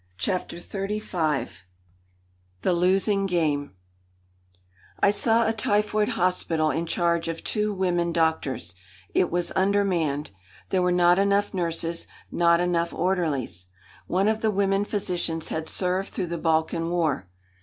CHAPTER XXXV THE LOSING GAME I saw a typhoid hospital in charge of two women doctors. It was undermanned. There were not enough nurses, not enough orderlies. One of the women physicians had served through the Balkan war.